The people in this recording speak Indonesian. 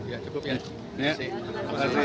ya cukup ya